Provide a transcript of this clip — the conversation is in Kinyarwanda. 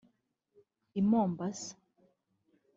I Mombasa